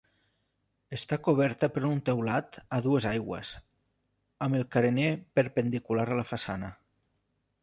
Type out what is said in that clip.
Està coberta per un teulat a dues aigües, amb el carener perpendicular a la façana.